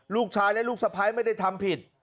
ลูกชายและลูกสะพ้ายไม่ได้ทำผิด